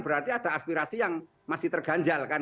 berarti ada aspirasi yang masih terganjalkan